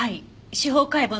司法解剖の結果